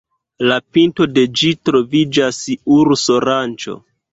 La pinto de ĝi troviĝas urso-ranĉo.